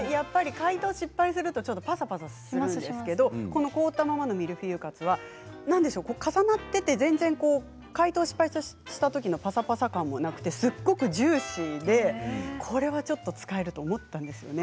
解凍を失敗するとぱさぱさしますけれども凍ったままのミルフィーユカツは重なっていて全然解凍失敗したときのぱさぱさ感もなくて、すごくジューシーでこれは使えると思ったんですね。